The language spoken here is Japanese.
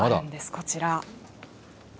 こちら。